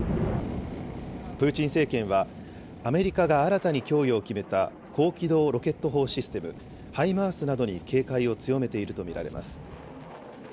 プーチン政権は、アメリカが新たに供与を決めた高機動ロケット砲システム・ハイマースなどに警戒を強めていると見られます。